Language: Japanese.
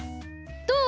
どう？